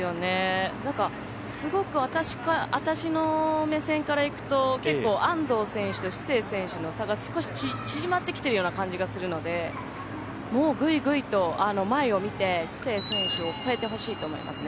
すごく私の目線からいくと結構安藤選手とシセイ選手の差が少し縮まってきてるような感じがするのでもうぐいぐいと前を見てシセイ選手を超えてほしいと思いますね。